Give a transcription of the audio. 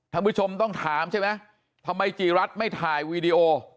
ท่านผู้ชมต้องถามใช่ไหมทำไมจีรัฐไม่ถ่ายวีดีโอ